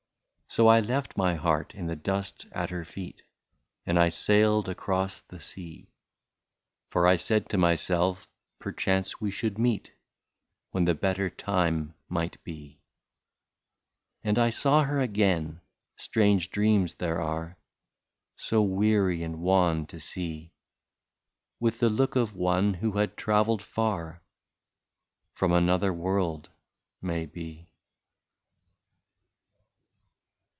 I left my heart in the dust at her feet, And I sailed across the sea. For I said to myself, perchance we may meet. When the better time shall be. And I saw her again — strange dreams there are So weary and wan to see. With the look of one who had travelled far, — From another world, may be.